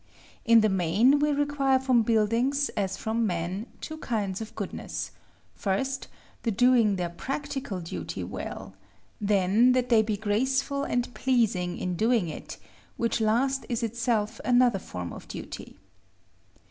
In the main, we require from buildings, as from men, two kinds of goodness: first, the doing their practical duty well: then that they be graceful and pleasing in doing it; which last is itself another form of duty.